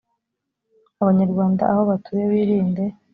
abanyarwanda aho batuye birinde